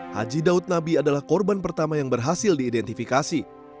haji daud nabi adalah korban pertama yang berhasil diidentifikasi